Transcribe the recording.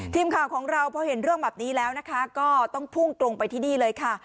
ทีมข่าวของเราพอเห็นเรื่องแบบนี้แล้วนะคะก็ต้องพุ่งตรงไปที่นี่เลยค่ะ